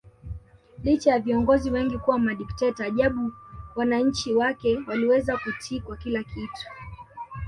Licha ya viongozi wengi kuwa madikteta ajabu wananchi wake waliweza kutii kwa kila kitu